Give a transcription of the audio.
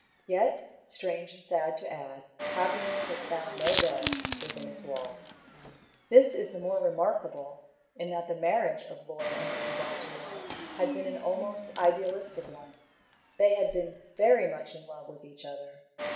Yet, strange and sad to add, happiness has found no bed within its walls. This is the more remarkable in that the marriage of Lord and Lady Baltimore had been an almost idealistic one. They had been very much in love with each other.